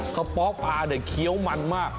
กะเพาะปลาเคี้ยวมันมาก